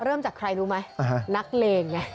เริ่มจากใครรู้ไหมนักเลงไง